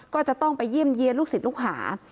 ก็จะต้องไปเยี่ยมเยี่ยนลูกศิษย์ลูกหา